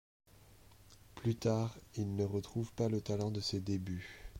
Plus tard, il ne retrouve pas le talent de ses débuts.